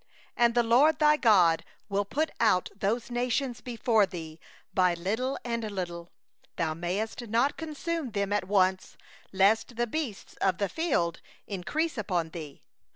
22And the LORD thy God will cast out those nations before thee by little and little; thou mayest not consume them quickly, lest the beasts of the field increase upon thee.